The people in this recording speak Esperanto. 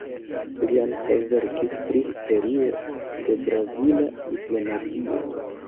Li ankaŭ verkis pri historio de brazila diplomatio.